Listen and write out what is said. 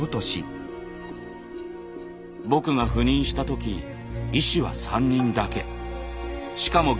僕が赴任した時医師は３人だけ。